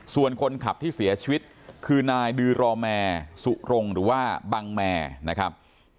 ส่วนคนขับที่เสียชีวิตคือนายดือรอแมร์สุรงหรือว่าบังแมนะครับ